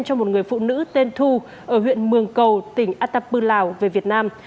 cho một người phụ nữ tên thu ở huyện mường cầu tỉnh atapu lào về việt nam